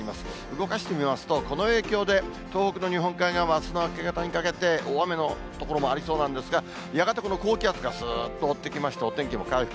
動かしてみますと、この影響で、東北の日本海側、あすの明け方にかけて大雨の所もありそうなんですが、やがてこの高気圧がすーっと覆ってきまして、お天気は回復。